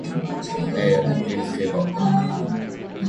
Mayor: Lindsay Walker.